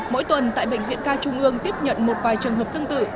mỗi tuần tại bệnh viện ca trung ương tiếp nhận một vài trường hợp tương tự